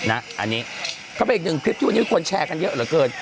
อันนี้ก็เป็นอีกหนึ่งคลิปที่วันนี้คนแชร์กันเยอะเหลือเกิน